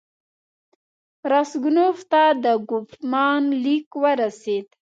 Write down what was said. راسګونوف ته د کوفمان لیک ورسېد.